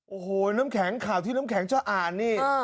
โอ้โหแข็งข่าวที่แข็งชะอ่านเอ่อ